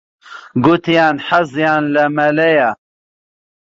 گوتیان حەزیان لە مەلەیە.